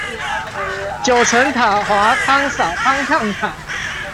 九層塔滑湯灑湯燙塔